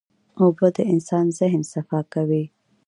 اوبه د انسان ذهن صفا کوي.